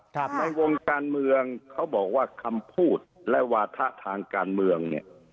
ในวงการเมืองเขาบอกว่าคำพูดและวาถะทางการเมืองเนี่ย